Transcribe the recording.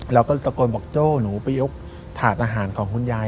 เราก็ตะโกนบอกโจ้หนูไปยกถาดอาหารของคุณยาย